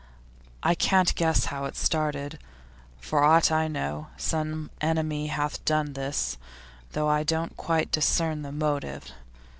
I can't guess how it started; for aught I know, some enemy hath done this, though I don't quite discern the motive.